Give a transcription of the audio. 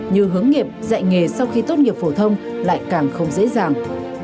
như hướng nghiệp dạy nghề sau khi tốt nghiệp phổ thông lại càng không dễ dàng